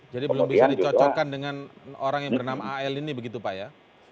jadi belum bisa dicocokkan dengan orang yang bernama ael ini begitu pak ya